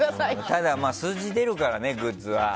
ただ数字が出るから、グッズは。